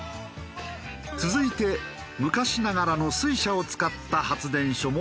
続いて昔ながらの水車を使った発電所も設置。